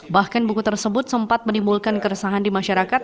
bahkan buku tersebut sempat menimbulkan keresahan di masyarakat